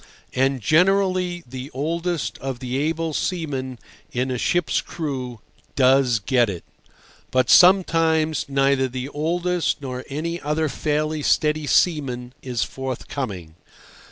And generally the oldest of the able seamen in a ship's crew does get it. But sometimes neither the oldest nor any other fairly steady seaman is forthcoming.